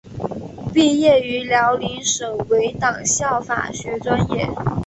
毕业于辽宁省委党校法学专业。